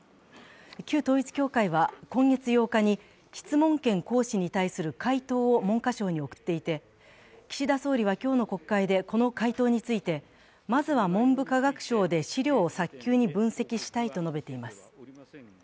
旧統一教会は今月８日に質問権行使に対する回答を文科省に送っていて岸田総理は今日の国会でこの回答について、まずは文部科学省で資料を早急に分析したいと述べています。